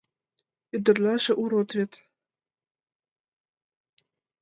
— Ӱдырнаже... урод вет.